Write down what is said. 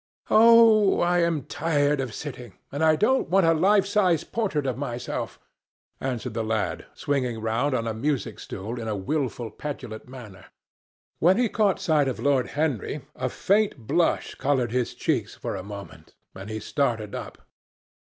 "Oh, I am tired of sitting, and I don't want a life sized portrait of myself," answered the lad, swinging round on the music stool in a wilful, petulant manner. When he caught sight of Lord Henry, a faint blush coloured his cheeks for a moment, and he started up.